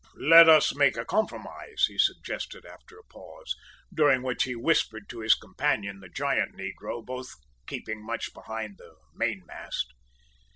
"`Let us make a compromise,' he suggested after a pause, during which he whispered to his companion, the giant negro, both keeping much behind the mainmast.